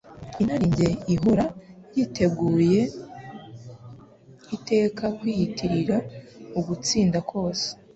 Inarijye ihora yiteguye iteka kwiyitirira ugutsinda kose.